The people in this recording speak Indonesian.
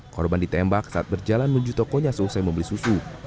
korban ditembak saat berjalan menuju tokonya selesai membeli susu